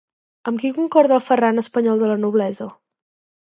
Amb qui concorda el Ferran espanyol de la noblesa?